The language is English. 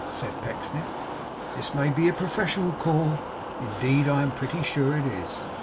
said Pecksniff. 'This may be a professional call. Indeed I am pretty sure it is.